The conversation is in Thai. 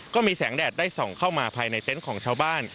ก็มีแสงแดดได้ส่องเข้ามาภายในเต็นต์ของชาวบ้าน